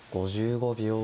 ５５秒。